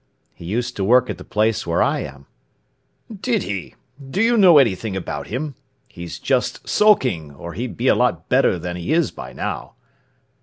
"He used to work at the place where I am." "Did he? Do you know anything about him? He's just sulking, or he'd be a lot better than he is by now."